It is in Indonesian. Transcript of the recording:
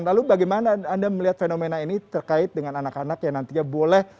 lalu bagaimana anda melihat fenomena ini terkait dengan anak anak yang nantinya boleh